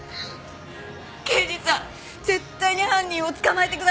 刑事さん絶対に犯人を捕まえてください！